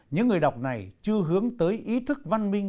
những người đọc này chưa hướng tới ý thức văn minh